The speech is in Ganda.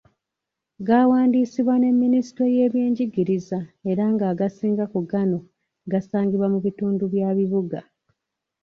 Gaawandiisibwa ne minisitule y’ebyenjigiriza era ng’agasinga ku gano gasangibwa mu bitundu bya bibuga.